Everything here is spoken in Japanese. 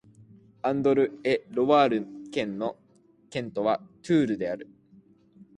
アンドル＝エ＝ロワール県の県都はトゥールである